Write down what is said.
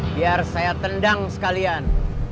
biar saya tendang sekalian